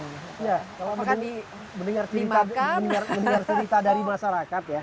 ya kalau mendengar cerita dari masyarakat ya